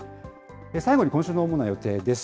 最後に今週の主な予定です。